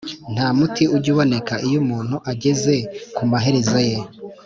nta muti ujya uboneka iyo umuntu ageze ku maherezo ye,